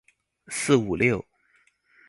四五六